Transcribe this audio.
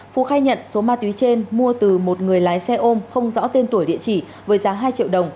phú khai nhận số ma túy trên mua từ một người lái xe ôm không rõ tên tuổi địa chỉ với giá hai triệu đồng